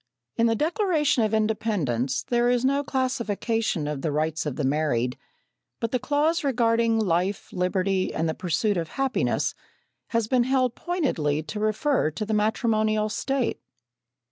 In the Declaration of Independence there is no classification of the rights of the married, but the clause regarding "life, liberty, and the pursuit of happiness" has been held pointedly to refer to the matrimonial state.